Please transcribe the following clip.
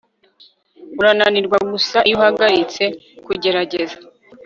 urananirwa gusa iyo uhagaritse kugerageza